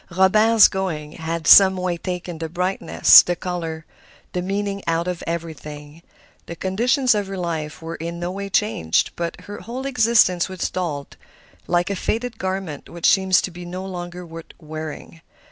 Robert's going had some way taken the brightness, the color, the meaning out of everything. The conditions of her life were in no way changed, but her whole existence was dulled, like a faded garment which seems to be no longer worth wearing.